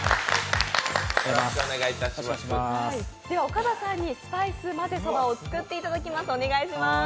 岡田さんにスパイスまぜそばを作っていただきます。